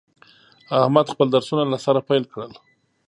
احمد خپل درسونه له سره پیل کړل.